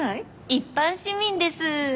一般市民です。